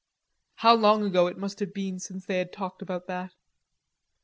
How long ago it must be since they had talked about that.